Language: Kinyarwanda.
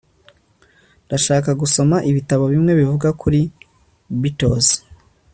ndashaka gusoma ibitabo bimwe bivuga kuri beatles